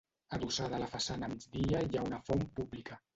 Adossada a la façana migdia hi ha una font pública.